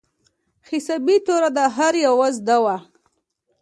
حسابي توره د هر يوه زده وه.